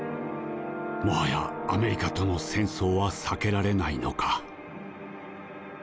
もはやアメリカとの戦争は避けられないのか。